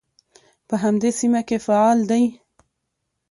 په همدې سیمه کې فعال دی.